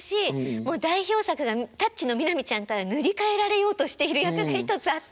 もう代表作が「タッチ」の南ちゃんから塗り替えられようとしている役が１つあって。